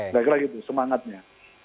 nah itu semangatnya